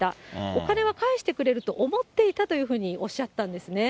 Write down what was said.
お金は返してくれると思っていたというふうにおっしゃったんですね。